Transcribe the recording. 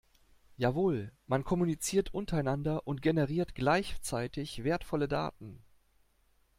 Jawohl, man kommuniziert untereinander und generiert gleichzeitig wertvolle Daten.